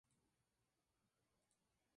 Se usa principalmente para cocidos.